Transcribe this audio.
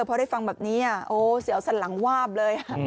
พอได้ฟังแบบนี้โอ้เสียวสันหลังวาบเลย